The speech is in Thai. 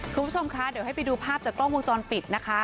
คุณผู้ชมคะเดี๋ยวให้ไปดูภาพจากกล้องวงจรปิดนะคะ